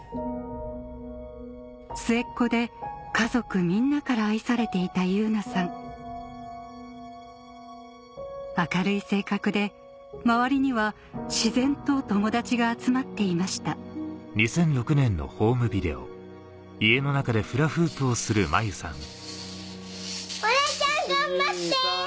末っ子で家族みんなから愛されていた汐凪さん明るい性格で周りには自然と友達が集まっていましたお姉ちゃん頑張って！